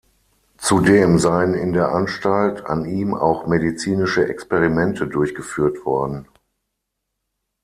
Zudem seien in der Anstalt an ihm auch medizinische Experimente durchgeführt worden.